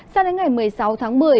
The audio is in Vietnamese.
sang đến ngày một mươi sáu tháng một mươi